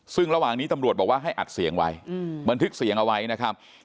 ซึ่งระหว่างนี้ตำรวจบอกว่าให้อัดเสียงไว้บันทึกเสียงเอาไว้นะครับ